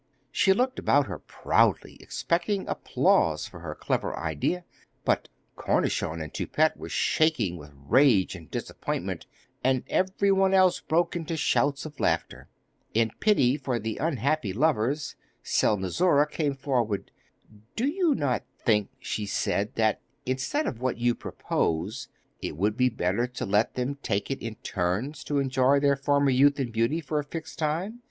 She looked about her proudly, expecting applause for her clever idea. But Cornichon and Toupette were shaking with rage and disappointment, and everyone else broke into shouts of laughter. In pity for the unhappy lovers, Selnozoura came forward. 'Do you not think,' she said, 'that instead of what you propose, it would be better to let them take it in turns to enjoy their former youth and beauty for a fixed time?